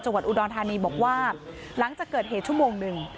วัดอุดรธานีบอกว่าหลังจากเกิดเหตุชั่วโมงหนึ่ง